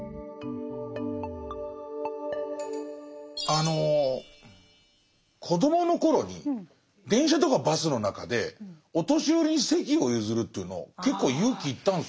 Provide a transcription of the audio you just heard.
あの子どもの頃に電車とかバスの中でお年寄りに席を譲るというの結構勇気いったんですよ。